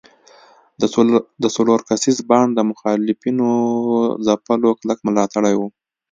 د څلور کسیز بانډ د مخالفینو ځپلو کلک ملاتړي وو.